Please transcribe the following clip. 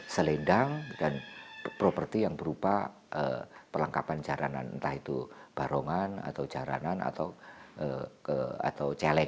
so bidang lestari warah butcher lere